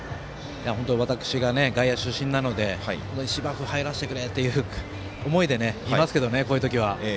私が、外野出身なので芝生入らせてくれっていう思いでいますけどね、こういう時は。